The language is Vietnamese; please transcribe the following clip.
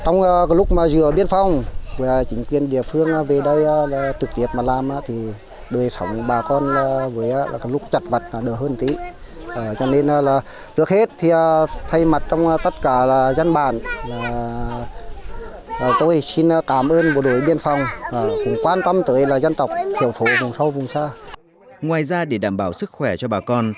ngoài ra để đảm bảo sức khỏe cho bà con